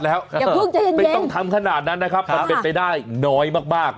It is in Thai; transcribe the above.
แล้วไม่ต้องทำขนาดนั้นนะครับมันเป็นไปได้น้อยมาก